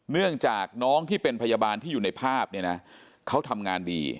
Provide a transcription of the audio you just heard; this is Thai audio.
เนื่องจากน้องที่เป็นพยาบาลที่อยู่ในภาพเนี่ยนะเขาทำงานดี